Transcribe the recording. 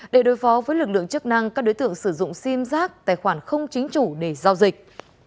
để đối phó với lực lượng chức năng các đối tượng sử dụng sim giác tài khoản không chính chủ để giao dịch